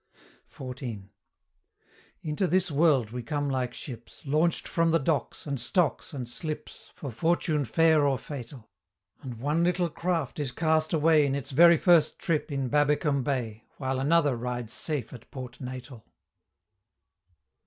XIV. Into this world we come like ships, Launch'd from the docks, and stocks, and slips, For fortune fair or fatal; And one little craft is cast away In its very first trip in Babbicome Bay, While another rides safe at Port Natal.